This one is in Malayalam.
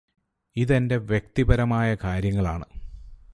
ഇതെന്റെ വ്യക്തിപരമായ കാര്യങ്ങളാണ്